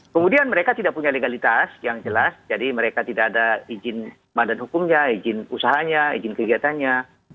kemudian mereka tidak punya legalitas yang jelas jadi mereka tidak ada izin badan hukumnya izin usahanya izin kegiatannya